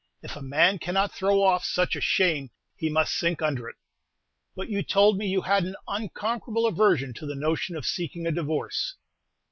If a man cannot throw off such a shame, he must sink under it." "But you told me you had an unconquerable aversion to the notion of seeking a divorce."